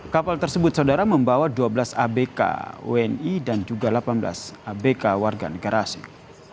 kapal tersebut saudara membawa dua belas abk wni dan juga delapan belas abk warga negara asing